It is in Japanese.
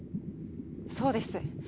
そうです